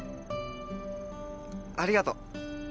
ありがとう。